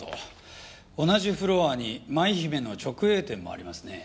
同じフロアにマイヒメの直営店もありますね。